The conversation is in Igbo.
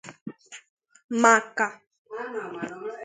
maka